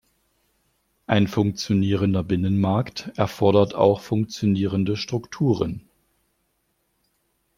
Ein funktionierender Binnenmarkt erfordert auch funktionierende Strukturen.